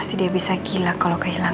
our mama guard yang berserang